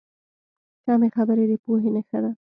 کمې خبرې، د پوهې نښه ده.